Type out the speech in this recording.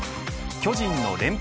巨人の連敗